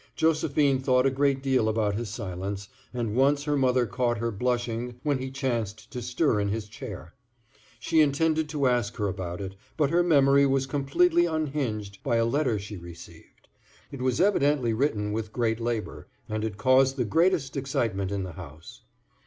Josephine thought a great deal about his silence, and once her mother caught her blushing when he chanced to stir in his chair. She intended to ask her about it, but her memory was completely unhinged by a letter she received. It was evidently written with great labor, and it caused the greatest excitement in the house.